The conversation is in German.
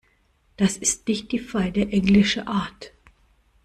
Das ist nicht die feine englische Art.